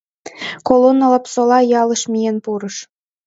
Колонна Лапсола ялыш миен пурыш.